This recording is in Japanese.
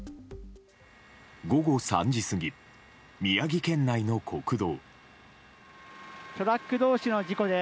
午後３時過ぎ、宮城県内の国道。